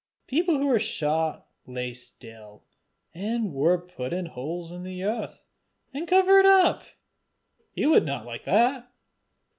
People who were shot lay still, and were put into holes in the earth, and covered up, and he would not like that.